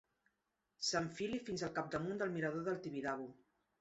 S'enfili fins al capdamunt del mirador del Tibidabo.